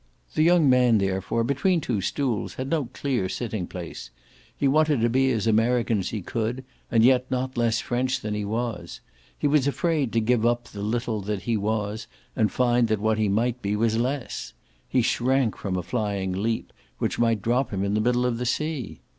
The young man therefore, between two stools, had no clear sitting place: he wanted to be as American as he could and yet not less French than he was; he was afraid to give up the little that he was and find that what he might be was less he shrank from a flying leap which might drop him in the middle of the sea.